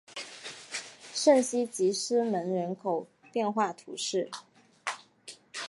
圣西吉斯蒙人口变化图示